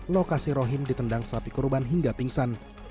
lokasi rohim ditendang sapi korban hingga pingsan